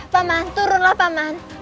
paman turunlah paman